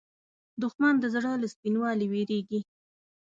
دښمن د زړه له سپینوالي وېرېږي